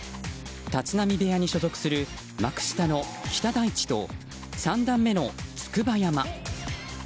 立浪部屋に所属する幕下の北大地と三段目の筑波山。